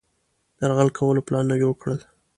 د یرغل کولو پلانونه جوړ کړل.